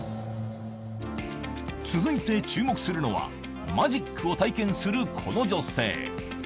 続いて注目するのは、マジックを体験するこの女性。